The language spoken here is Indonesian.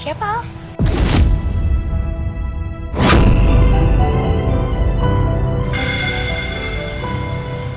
kenapa kau begini